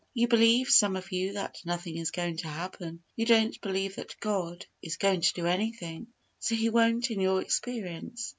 You believe, some of you, that nothing is going to happen. You don't believe that God is going to do anything so He won't in your experience.